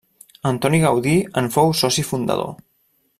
Antoni Gaudí en fou soci fundador.